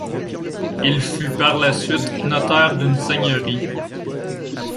Il fut par la suite notaire d'une seigneurie.